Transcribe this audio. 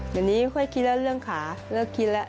เดี๋ยวนี้ค่อยคิดแล้วเรื่องขาเลิกคิดแล้ว